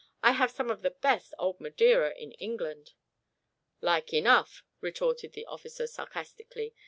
"I have some of the best old Madeira in England." "Like enough," retorted the officer sarcastically.